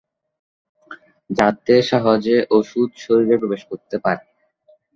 যাতে সহজে ঔষুধ শরীরে প্রবেশ করতে পারে।